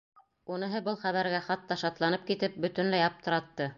Уныһы, был хәбәргә хатта шатланып китеп, бөтөнләй аптыратты.